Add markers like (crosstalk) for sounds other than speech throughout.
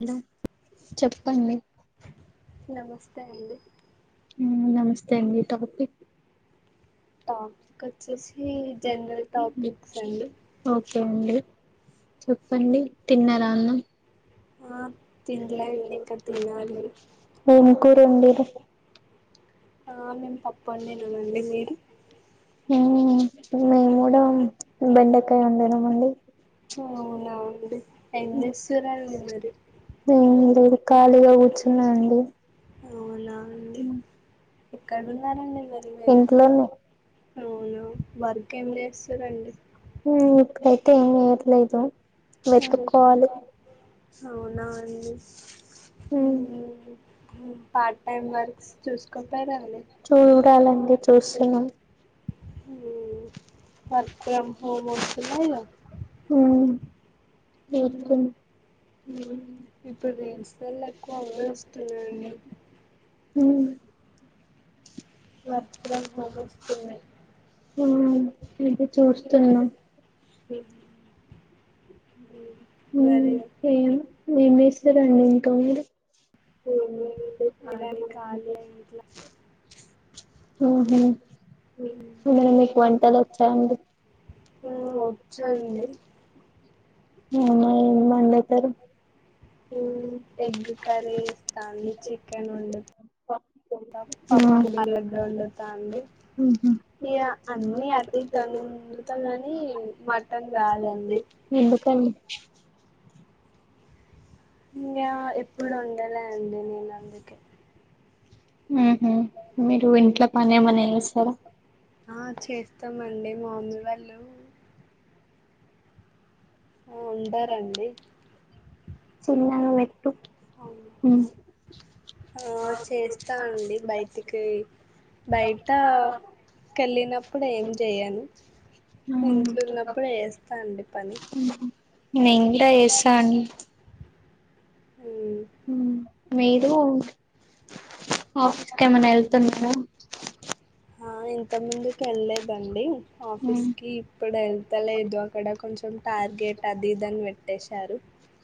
Hello చెప్పండి నమస్తే అండి ఊ నమస్తే అండి టాపిక్ టాపిక్ ఒచ్చేసి జనరల్ టాపిక్స్ అండి ఓకే అండి చెప్పండి తిన్నరా అన్నాం ఆ తినలే అండి ఇంకా తినాలి ఏం కూర ఒండిరు ఆ మేం మేము పప్పు ఒండినము వండినామండి ఇప్పుడు మీరు ఊ మేం గూడా బెండకాయ్ ఒండినాం అండి అవునా అండి ఏం చేస్తురండి మరి ఏం (unintelligible) ఈడ ఖాళీగా కూర్చున్నా అండి అవునా అండి ఎక్కడున్నారండి మరి మీరు ఇంట్లోనే అవునా వర్క్ ఏం చేస్తురండి ఊమ్ ఇప్పుడు అయితే ఏం జేయట్లే ఈచ్ వన్ అవునా అండి ఊ పార్ట్ టైం వర్క్స్ చూసుకోపోయారండి చూడాలండి దూసున్నం ఉమ్. వర్క్ ఫ్రమ్ హోమ్ వస్తున్నాయిగా హూ ఉమ్. ఇంకున్ ఇప్పుడు రీల్స్లల్లో ఎక్కువ అవే వస్తున్నాయండి (inaudible) ఊ వర్క్ ఫ్రమ్ హోమ్ వస్తున్నాయి (unintelligible) ఆ ఇది చూస్తున్నా ఉమ్ మరి ఏం ఏమ్ జేస్తారండి ఇంకామీరు. ఏం లేదండీ, ఇలానే ఖాళీ కాలినే (inaudible) ఇంట్లో ఉహుమ్ మరి మీకు వంటలోచ్చాఅండి. ఆ, వచ్చండి ఆ ఏం వండుతరు. ఉమ్ ఎగ్గ్ కర్రి చేస్తాఅండి, చికెన్ వండుత్ పప్ ఆ. పప్పు, అల్లగడ్డ వండుతా అండి. ఉహు ఇగ అన్నీ అతి తొంద వండుతా కానీ మటన్ రాదండి ఎందుకా ఉమ్ (unintelligible) ఎప్పుడు ఓండలే అండి నేను అందుకే. ఉమ్మ్ హు, మీరు ఇంట్లో పనేమన్న చేస్తారా. ఆ చేస్తామండి, మా మామ్మీ వాళ్ళు ఆ ఉండరండి. చిన్ననగా వే అవును ఆ చేస్తానండి బయటికిపోయి, బయట కెళ్ళినప్పుడు ఏం జేయను, ఉహు, ఇంట్లున్నప్పుడు ఏస్తా అండి. పని నేన్ గూడ ఏస్తాను. ఉమ్ ఉమ్, మీరు, ఆఫీస్ కేమన్న ఎళ్తున్నారా. ఆ ఇంత ముందుకేళ్ళేదండి. ఆఫీస్ ఉమ్ కి ఇప్పుడు ఎళ్తలేదు, అక్కడ కొంచెం టార్గెట్ అది, ఇదని పెట్టేశారు.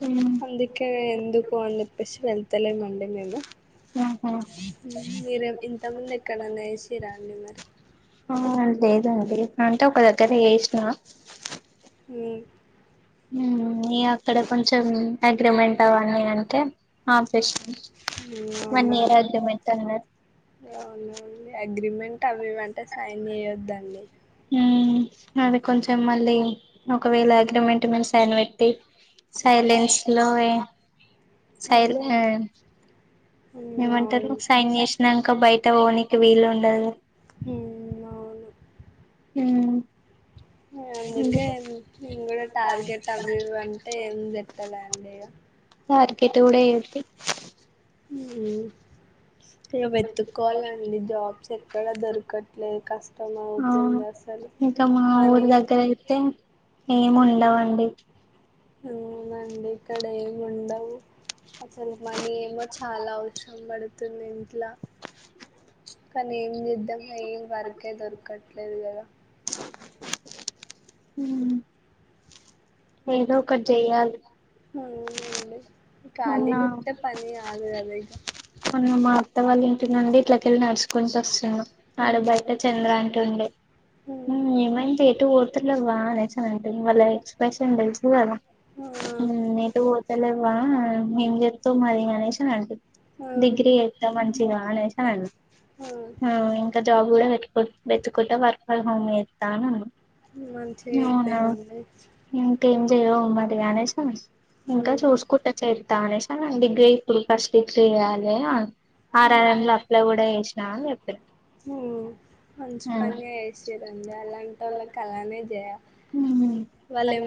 ఉమ్, అందుకే ఎందుకు అని జెప్పేసి వెళ్తలేమండి మేము. ఆహా మీరే ఇంతక్ ముందు ఎక్కడనన్న చేసిన్ర అండి మరి. ఆ లేదండి, అంటే ఒక దగ్గర చేసిన. ఉమ్ ఉమ్ ఇగ అక్కడ కొంచెం అగ్రిమెంట్ అవ్వన్నీ అంటే ఆఫ్ జేసినా. ఉమ్ అవునా, అన్నారు ఉమ్ అవునండి ఐ అగ్రిమెంట్ అవ్వివ్వఅంటే సైన్ చెయొద్దండి. ఉమ్ అదే కొంచెం మళ్ళీ, ఒకవేళ అగ్రిమెంట్ మీద సైన్ వెట్టి సైలెన్స్లోవే, అవును సైలెన్స్ ఉమ్, ఏమంటారు, అవును సైన్ జేసినంక బయట ఓనికి వీలు ఉండదు. ఉమ్ అవును. ఉమ్ అందుకే నేన్ గుడా టార్గెట్ అవ్వివ్ అంటే ఏం పెట్టాలండి ఇగ. పెట్టుడే (unintelligible) ఉమ్ ఇగా వెతుక్కోవాలండి జాబ్స్ ఎక్కడ దొరకట్లే, కష్టం అవును అవుతుంది అస ఉమ్ మా ఊరి దగ్గర ఎత్తే ఏం ఉండవండి. ఉమ్ అండి ఇక్కడ ఏం ఉండవ్. అసల్ మనీ ఏమో, చాలా అవసరం బడుతుంది ఇంట్లా. కానీ ఏం చేద్దం, ఏం వర్కే దొరకట్లేదు గద. ఉమ్ ఏదో ఒకటి చెయ్యాలి ఉమ్ అవును మొన్న ఖాళీగా ఉంటే పని కాదు కదా మనం మా అత్త వాళ్ల ఇంటి నుండి ఇట్లాకెళ్ళి నడుచుకుని వస్తున్నా అడూ ఉమ్, బయట చంద్ర అంట ఉండే ఉమ్, ఏమైంది ఎటు ఎటు పోతలేవా వాళ్ళ ఎక్స్ప్రెషన్ తెలుసు కదా ఆ ఉమ్ ఎట్టు పోతలేవా మేం చెప్తా మది అనేసి అని అంటడు ఆ డిగ్రీ చేస్తా మంచిగా అనేసి అనఅండు ఆ ఇంకా జాబ్ కూడాట్కు వెతుకుంటే వర్క్ ఫ్రమ్ హోమ్ చేస్తానన్నాను మంచిగా చెప్పేదండి ఏదో ఉన్నటుగా అనేసాం ఇంకా ఉమ్, చూసుకుంట చేద్దా అనే అ డిగ్రీ ఇప్పుడు ఫస్ట్ చెయ్యాలె ఉమ్, ఆల్రెడీ అప్లై కూడా చేసిన అని చెప్పా ఉమ్, మంచి పనినే చేసిరండి అలాంటి వాళ్ళకి అలానే చేయాలి ఉమ్ వాళ్ళేం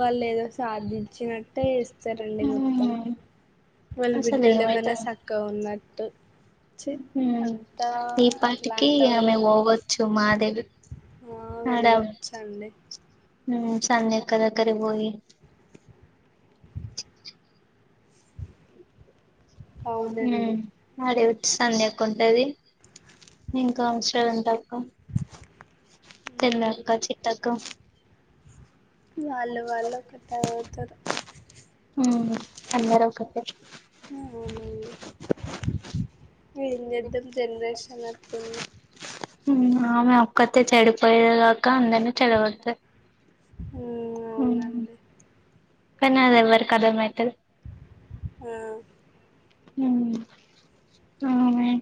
వాళ్ళు ఏదో సాధించినట్టే చేస్తారండి ఉమ్ మొత్తం ఉమ్ వాళ్ళ అసలు బిడ్డలు ఏమన్నా ఏమైతదో చక్కగా ఉన్నట్టు చి అంతా ఈ పాటికి అట్లాంటోళ్ళే ఆమె పోవచ్చు మాధవి ఆ వెళ్ళొచ్చండి ఉ సంధ్యక్క దగ్గరికి పోయి అవునండి ఉమ్ ఆడే వచ్చస్తుంది ఎకుంటది ఇంకో అవసరలు ఉంటా చందక్క చిట్టక్క వాళ్ళు వాళ్ళు ఒకట అవుతారు అందరూ ఒక్కటే అవునండి ఏం చేస్తారు జనరేషన్ అట్లా ఉంది ఉమ్ ఆమె ఒక్కతే చెడిపోయేది కాక అందర్నీ చెడగొడుతదీ ఉమ్, అవునండి కనది ఎవరికీ అర్థం అయితలేదు ఉ ఉ అమె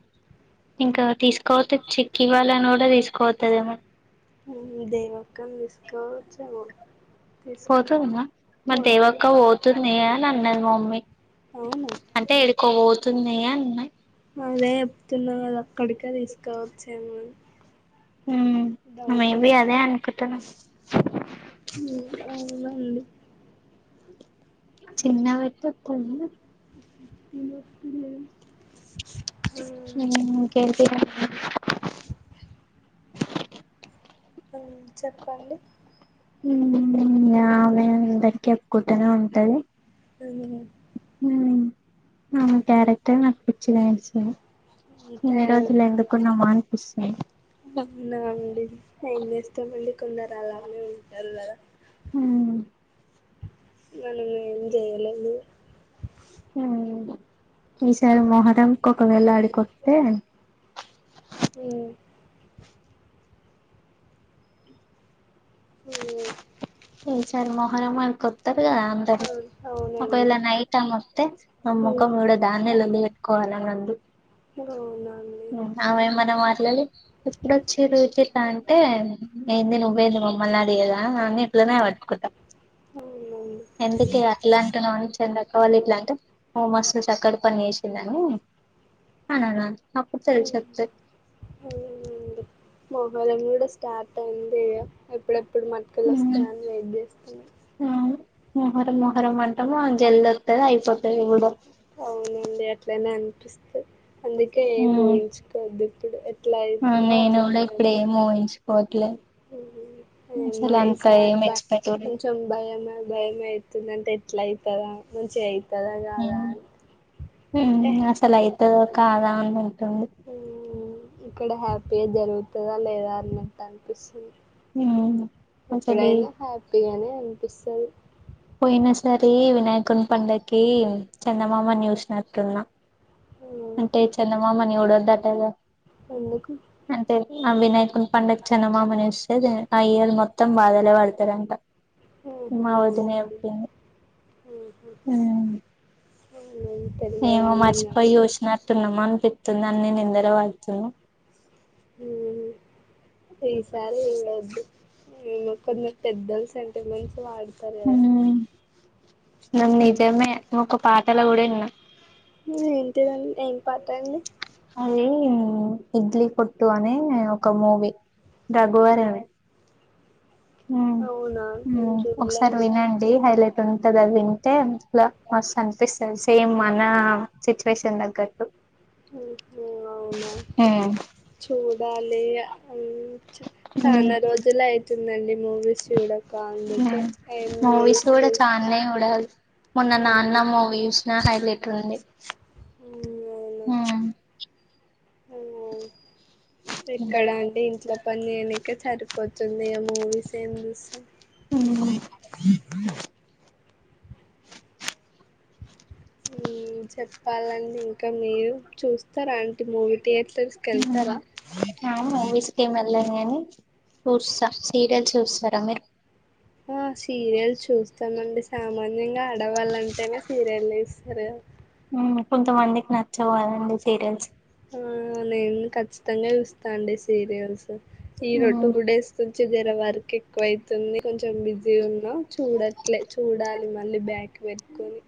ఇంకా తీసుకోవపొతే చిక్ వాళ్లని కూడా తీసుకోవతుదేమో ఉమ్ దేవి అక్కను తీసుకుపోవచ్చు ఏమో పోతుంది గా మరి దేవాక్క పోతుంది అన్ని అంది మా మమ్మీ అవును అంటే ఎడికో పోతుంది అన్నా అ అదే చెప్తున్నా కదా అక్కడికే తీసుకోవచ్చామ ఉమ్ మేబి అదే అనుకుంటున్నా అవు అన్నోళ్లు చిన్న వెటితలు (unintelligible) ఉమ్ ఇంకేంటి ఉ చెప్పాలి ఉమ్ ఆమె అందరికి చెప్కుంటనే ఉంటది ఉ ఉమ్ అమె క్యారెక్టర్ నాకు పిచ్చి లేస్తది ఇన్ని రోజులు అంతే ఎందుకు ఉన్నామా అనిపిస్తుంది అండి నైం చేస్తామండి కొందరు అలానే ఉంటారు కదా ఉమ్మ్ మనం ఏం చెయలేదు మ్ ఈసారి మొహటంకి ఒకవేళ అడికొస్తే మ్మ్ మ్ ఈ సరి మోహరం వరకొత్తరు కదా అందరు అవు అవునండి ఒకవేళ నైట్ టైమ్ అమోతే ఆమె మ్మ్ ముఖం చుడ దాన్నే లొల్లి పెట్టుకోవాలి అని అంది అవునా ఆమె ఏమన్న మాట్లడి ఎప్పుడుొచ్చిర్రు ఇట్లిట్ల అంటే ఏంది నువ్వేది మా మ్మల్న్నడిగేదన్ అని ఇట్లనేే పట్కుంట అవునండి ఎందుకే అట్లాంటున్నవ్ అనని చందక్కా వాళ్లు ఇట్లాంటే నువ్ మస్తు చక్కటి పని చెస్ సిందని అనన్నాను అప్పుడు ఉమ్, తెలీసోతది మోహరం కూడా స్టార్ట్ అయింది ఇగ ఎప్పుడెప్పుడు మట్కలోస్తాయని వెయిట్ చేస్తున్నా ఆ మొహరం మొహరం అంటము అది జెల్ది ఒతది అయిపోతది కూడ పుస్తక్ అందుకే ఏం ఊహించుకోద్దు ఇప్పుడు ఎట్లా అఇందో నేను కూడా అట్లానే ఇప్పుడు అయిద్ధి ఏం ఊహించుకోవట్లేదు మ్ హు మ అసలు ఈ అంత ఏం సారి బా ఎక్స్పెక్ట్ కూడా కొంచం భయమే భయమై దంటే ఎట్లైదా మంచిగా అయితదా కాదా అని అంటే తదో కాదా అని ఉంటుంది ఇక్కడ హ్యాపిగా జరుగుతదా లేదా అన్నట్టనిపిస్తుంది అసలు ఎప్పుడైనా హ్యాపీగానే అనిపిస్తది పోయినా సరి వినాయకుని పండక్కి చందమామను చూసినటున్న అంటే ఆహా చందమామను చుడొద్దటగా ఎందుకు ఆ విినయకుని పండక్ చందమామన్ చుస్ తే అ ఇయర్ మొత్తం బాధలే పడుతారంట ఆహా మా వదిన అవునా అండి. చెప్పింది ఆహా ఉమ్ అవునండి, ఏమో తెలియదండి మర్చిపోయి నాకు చుసినట్టున్నమ్ అనిపితుంది అన్ని నిందలు పడున్నాయ్ మ్ ఈసారి ఇగ వద్దు ఏమో కొందరు పెద్దోళ్ళు సెంటిమెన్స్ వాడుతారు కదా నమ్ నిజమే ఒక పాటాల కూడా విన్నా ఏంటిదన్ ఏం పటండి అది ఇడ్లీ కొట్టు అనే నేను ఒక మూవీ రఘువరమే మ్ అవునా నేను మ్ ఒకసారి చూడలేదండి వినండి హైలైట్ ఉంటంది అది వి అేలా మస్తు అనిపిస్తది సేమ్ మన సిచ్యువేషన్ తగ్గట్టు మ్ హు అవునా ఉమ్ చూడాలి చాలా రోజులు అవుతుందండి మూవీస్ చూడక అందుకే ఏం మూవీస్ కుడ చూస్త చాన్నే చుడాలి మొన్న నాన్న అవును మూవి చుసిన హైలైట్ ఉంది అ అ ఎక్కడ అంటి ఇంట్లో పని చేయనికే సరిపోతుంది ఇగ మూవీస్ ఏం చూస్తా మ్ మ్ చెప్పాలండి ఇంకా మీరు చూస్తారా అంటి మూవీ థియేటర్స్కి వెళ్తారా వెళ్ళాం కాని చూస్తా సీరియల్ చూస్తారా మీరు ఆ సీరియల్ చూస్తామండి సామాన్యంగా ఆడవాలంటేనే సీరియళ్ళు చు స్తారు కదా మ్ కొంత మందికి నచ్చవు కదండీ సీరియల్స్ ఆ నేను ఖచ్చితంగా చూస్ తాండి సీరియల్స్ ఈ రో టూ డేస్ నుంచి జర వర్క్ ఎక్కువ ఐతుంది కొంచెం బి జి ఉన్నా చూడట్లే చూడాలి మళ్ళీ బ్యాక్ పెట్టుకొని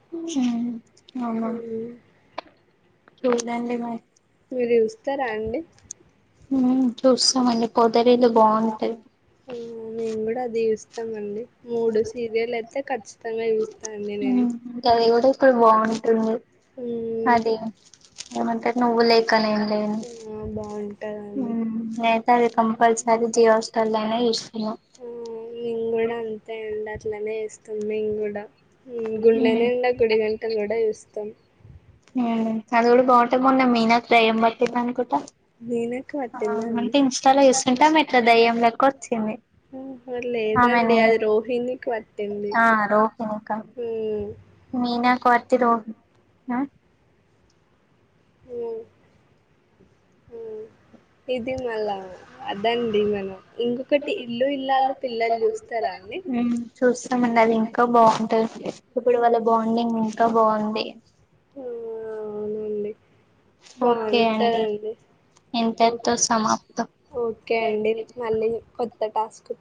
అవునా హ్మ్. చూడండి మరి మీరు చూస్తారా అండి ఊ చూస్తామండి పొదరీలు బాగుంటయి ఊ మేము కూడా అది చూస్తమండి. మూడు సీరియల్ అయితే ఖచ్చితంగా చూస్తా అండి నేను. ట్రుంగి అది ఏమంటరు నువ్వులయ్ ఆ బాగుండ్ ఊ నేనైతే అది కంపల్సరి జియోస్టల నే చూసిన నింగ్ కూడా అంతే అండి అట్లనే ఏస్తం మేము కూడా ఊ గుండె నిండా గుడిగంటలు కూడా చూస్తం. ఊ అది కూడా బాంటది మొన్న మీనాకు దయమ్ బట్టింది అనుకుంట. మీనకు ఆ పట్టిందా అండి అంటే ఇంస్టాల చూస్తుంటే ఆమె ఇట్ల దయ్యం లెక్క వచ్చింది. ఆహ లేదండి ఆమెని అది రోహిణికి పట్టింది. ఓక ఉమ్ మీనాకు వతి రోహి అ ఊ ఇది మళ్ళా అదండి మనం ఇంకొకటి ఇల్లు ఇల్లాలు పిల్లలు చూస్తారా అండి ఊ త మన అది ఇంకా బాగుంటుది (unintelligible) ఇప్పుడు వాళ్ళ బాండింగ్ ఇంకా బాగుంది ఆ అవునండి ఓకే అండి బాగుంటదండి ఓ ఇంతటితో సమాప్తం ఓకే అండి మళ్ళీ కొత్త కాస్ట్